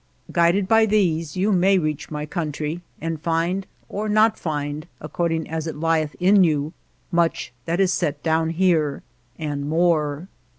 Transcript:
Guided by these you may reach my country and find or not find, according as it lieth in you, much that is set down here. And more.